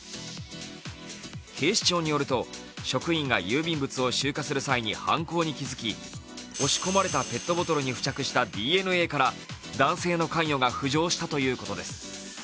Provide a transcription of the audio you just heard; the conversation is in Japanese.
警視庁によると職員が郵便物を集荷する際に犯行に気づき押し込まれたペットボトルに付着したＤＮＡから男性の関与が浮上したということです。